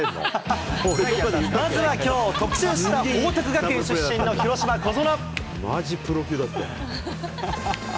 まずはきょう、特集した報徳学園出身の広島、小園。